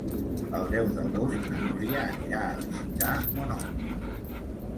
El deu d'agost na Núria anirà a visitar mon oncle.